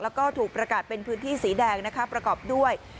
แล้วก็ถูกประกาศเป็นพื้นที่สีแดงนะคะประกอบด้วย